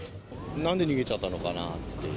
なんで逃げちゃったのかなっていう。